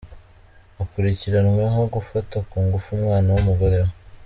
Akurikiranweho gufata ku ngufu umwana w’umugore we